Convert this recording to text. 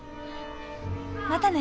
またね。